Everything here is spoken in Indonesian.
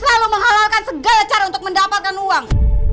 selalu menghalalkan segala cara untuk mendapatkan uang